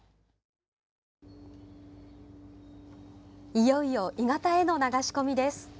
いよいよ鋳型への流し込みです。